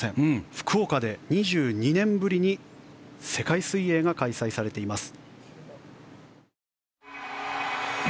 福岡で２２年ぶりに世界水泳が開催されています。